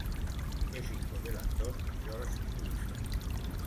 Es hijo del actor Georges Wilson.